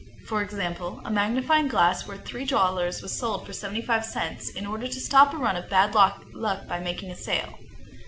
For example, a magnifying glass worth three dollars was sold for seventy five cents, in order to stop a run of bad luck by making a sale.